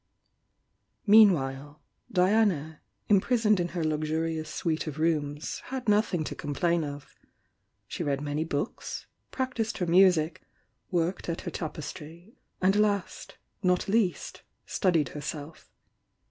Meanwhile, Diana, imprisoned in her luxurious suite of rooms, had nothing to complain of. She read many books, practised her music, worked at her tapestry, and last, not least, studied herself.